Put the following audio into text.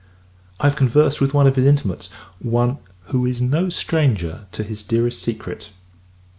I have conversed with one of his intimates one "who is no stranger to his dearest secret."